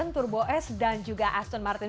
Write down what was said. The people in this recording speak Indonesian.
turbo s dan juga aston martin